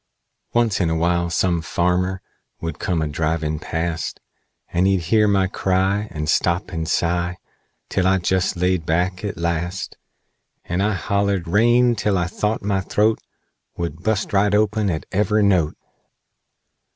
"Once in awhile some farmer Would come a drivin' past; And he'd hear my cry, And stop and sigh Till I jest laid back, at last, And I hollered rain till I thought my th'oat Would bust right open at ever' note!